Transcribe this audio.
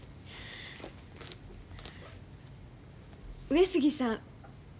上杉さん